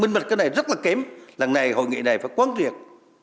minh mật cái này rất là kém lần này hội nghị này phải quấn thiệt